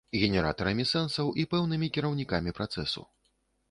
Генератарамі сэнсаў і пэўнымі кіраўнікамі працэсу.